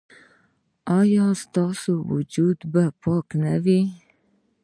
ایا ستاسو وجود به پاک نه وي؟